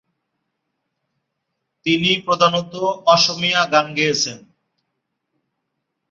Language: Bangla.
তিনি প্রধানত অসমীয়া গান গেয়েছেন।